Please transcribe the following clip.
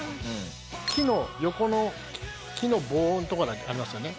木の横の木の棒のところありますよね。